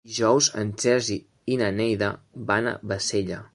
Dijous en Sergi i na Neida van a Bassella.